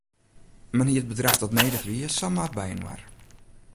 Men hie it bedrach dat nedich wie samar byinoar.